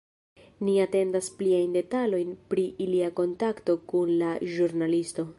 Ni atendas pliajn detalojn pri ilia kontakto kun la ĵurnalisto.